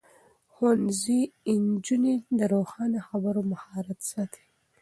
ښوونځی نجونې د روښانه خبرو مهارت ساتي.